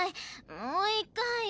もう一回。